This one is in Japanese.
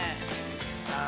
さあ。